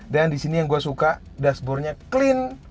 dan disini yang gua suka dashboardnya clean